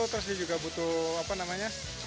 terus dia juga butuh apa nanti dia juga butuh asfal baru jadi